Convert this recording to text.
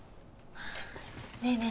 ねえねえ